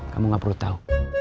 kamu gak perlu tau